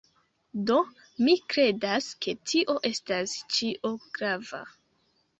Do, mi kredas, ke tio estas ĉio grava.